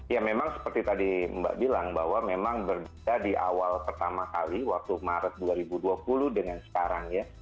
ya memang seperti tadi mbak bilang bahwa memang berbeda di awal pertama kali waktu maret dua ribu dua puluh dengan sekarang ya